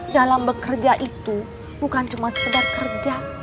dalam bekerja itu bukan cuma sekedar kerja